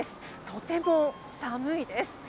とても寒いです。